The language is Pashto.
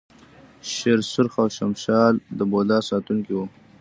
شیر سرخ او شمشال د بودا ساتونکي وو